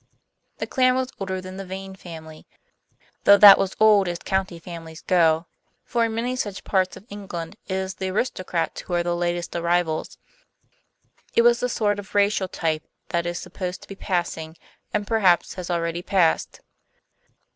The clan was older than the Vane family, though that was old as county families go. For in many such parts of England it is the aristocrats who are the latest arrivals. It was the sort of racial type that is supposed to be passing, and perhaps has already passed.